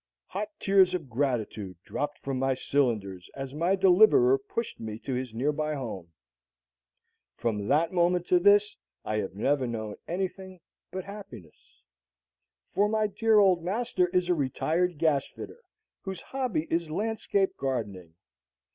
Hot tears of gratitude dropped from my cylinders as my deliverer pushed me to his nearby home. From that moment to this I have never known anything but happiness. For my dear old master is a retired gas fitter whose hobby is landscape gardening.